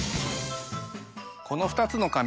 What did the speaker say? この２つの髪